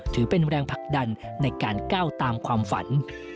ถือเป็นแรงผลักดันในการก้าวตามความฝัน